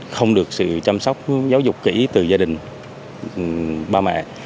không được sự chăm sóc giáo dục kỹ từ gia đình bà mẹ